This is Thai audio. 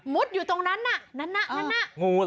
มุดอยู่ตรงนั้นนั่นงูหรอ